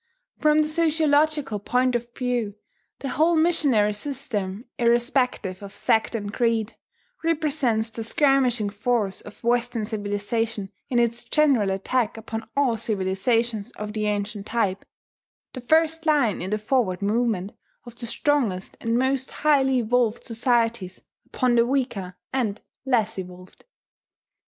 From the sociological point of view the whole missionary system, irrespective of sect and creed, represents the skirmishing force of Western civilization in its general attack upon all civilizations of the ancient type, the first line in the forward movement of the strongest and most highly evolved societies upon the weaker and less evolved.